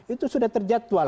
itu sudah terjatual